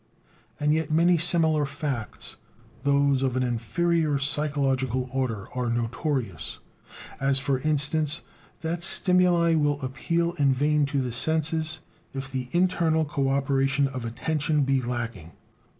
And yet many similar facts, though of an inferior psychological order, are notorious, as, for instance, that stimuli will appeal in vain to the senses, if the internal cooperation of attention be lacking.